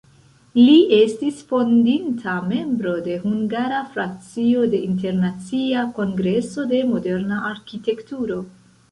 Li estis fondinta membro de hungara frakcio de Internacia Kongreso de Moderna Arkitekturo.